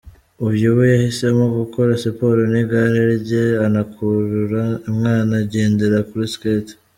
Uyu we yahisemo gukora Siporo n'igare rye anakurura umwana ugendera kuri Sket.